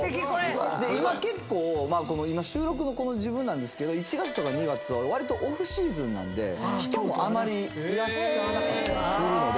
今結構収録の時分なんですけど１月とか２月はわりとオフシーズンなんで人もあまりいらっしゃらなかったりするので。